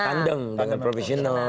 di tandem dengan profesional